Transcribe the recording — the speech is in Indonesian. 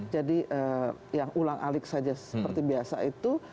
jadi yang ulang alik saja seperti biasa itu